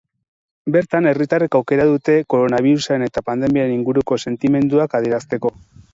Bertan herritarrek aukera dute koronabirusaren eta pandemiaren inguruko sentimenduak adierazteko.